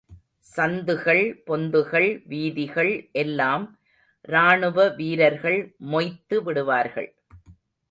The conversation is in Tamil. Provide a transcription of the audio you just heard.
சந்துகள், பொந்துகள், வீதிகள் எல்லாம் ராணுவ வீரர்கள் மொய்த்து விடுவார்கள்.